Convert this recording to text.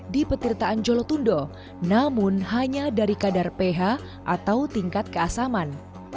di petirtaan jolotundo namun hanya dari kadar ph atau tingkat keasaman